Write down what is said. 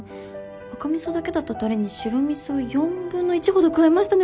赤味噌だけだったたれに白味噌を４分の１ほど加えましたね！？